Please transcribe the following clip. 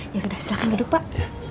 ya sudah silahkan duduk pak